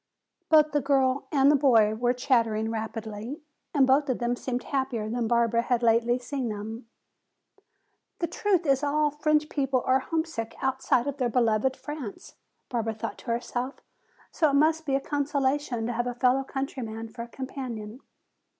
Both the girl and boy were chattering rapidly, and both of them seemed happier than Barbara had lately seen them. "The truth is all French people are homesick outside of their beloved France," Barbara thought to herself. "So it must be a consolation to have a fellow countryman for a companion."